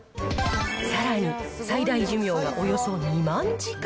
さらに最大寿命がおよそ２万時間。